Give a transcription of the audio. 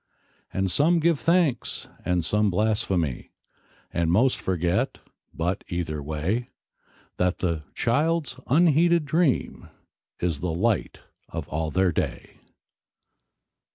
And give some thanks, and some blaspheme, And most forget, but, either way, That and the child's unheeded dream Is all the light of all their day.